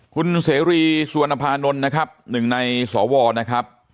คุณเสรีสุวรรณภานนท์นะครับหนึ่งในสวนะครับ